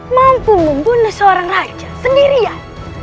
mampu membunuh seorang raja sendirian